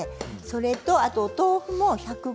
それとお豆腐も１００ｇ。